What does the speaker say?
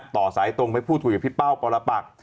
ต่อสายตรงไปพูดถูกกับพี่เป้าก็ละปัก